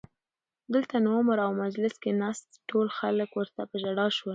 دلته نو عمر او مجلس کې ناست ټول خلک ورته په ژړا شول